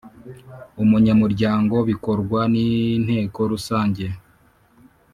Umunyamuryango bikorwa n inteko rusange